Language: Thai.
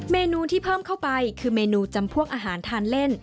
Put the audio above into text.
เมนูที่เพิ่มเข้าไปคือเมนูจำพวกอาหารทานเล่น